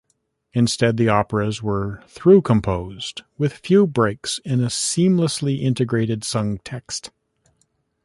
Instead, the operas were "through-composed," with few breaks in a seamlessly integrated sung text.